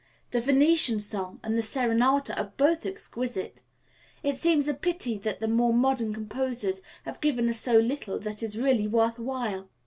The 'Venetian Song' and the 'Serenata' are both exquisite. It seems a pity that the more modern composers have given us so little that is really worth while."